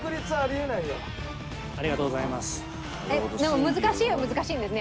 えっでも難しいは難しいんですね